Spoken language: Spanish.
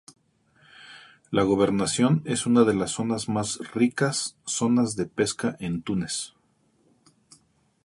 La gobernación es una de las zonas más ricas zonas de pesca en Túnez.